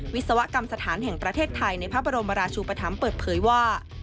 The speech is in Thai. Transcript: วิศวกรรมสถานแห่งประเทศไทยในพระบรมราชูปธรรมเปิดเผยว่า